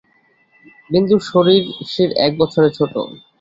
বিন্দু শশীর এক বছরের ছোট।